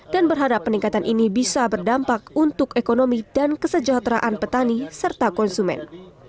dan berharap peningkatan ini bisa berdampak untuk ekonomi dan kesejahteraan petani serta konsumen